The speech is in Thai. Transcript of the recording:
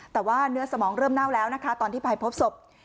แต่ว่าเนื้อสมองเริ่มเน่าแล้วนะคะตอนที่ไปพบศพ